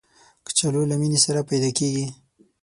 کچالو له مینې سره پیدا کېږي